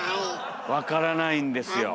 わからないんですよ。